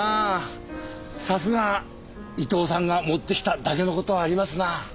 さすが伊藤さんが持ってきただけの事はありますな。